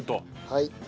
はい。